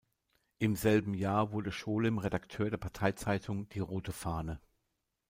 Im selben Jahr wurde Scholem Redakteur der Parteizeitung "Die Rote Fahne".